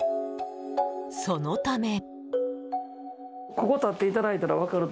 そのため。